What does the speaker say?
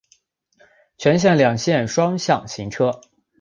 全线两线双向行车。